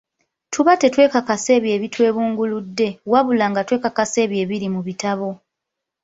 Tuba tetwekakasa ebyo ebitwebunguludde, wabula nga twekakasa ebyo ebiri mu bitabo.